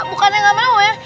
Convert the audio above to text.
bukannya gak mau ya